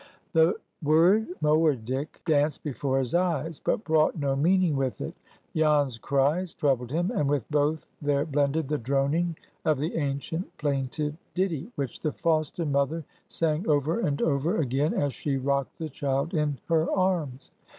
The word Moerdyk danced before his eyes, but brought no meaning with it. Jan's cries troubled him, and with both there blended the droning of the ancient plaintive ditty, which the foster mother sang over and over again as she rocked the child in her arms.